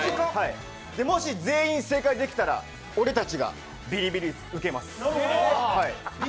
もし全員正解できたら俺たちがビリビリ椅子、受けます